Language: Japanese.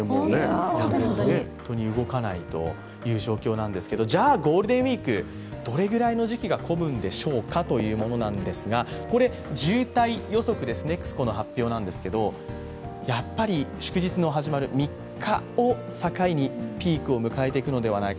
動かないという状況ですがじゃあ、ゴールデンウイークどれぐらいの時期が混むんでしょうかということなんですがこれ、渋滞予測ですねＮＥＸＣＯの発表なんですがやっぱり祝日の始まる３日を境にピークを迎えていくのではないか。